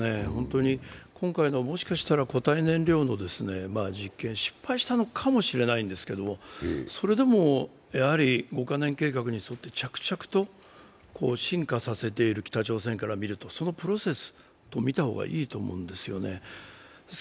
今回のもしかしたら固体燃料の実験は失敗したのかもしれないけれどそれでもやはり５か年計画に沿って着々と進化させている北朝鮮としてみるとそのプロセスとみた方がいいと思うんですよね。